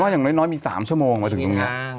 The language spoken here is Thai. ว่าอย่างน้อยมี๓ชั่วโมงมาถึงดูเนี่ย